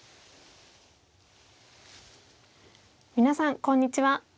皆さんこんにちは。